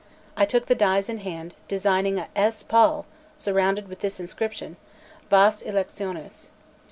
I took the dies in hand, designing a S. Paul, surrounded with this inscription: 'Vas electionis.'